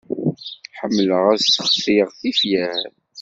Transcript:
Ḥemmleɣ ad sseɣtiɣ tifyar.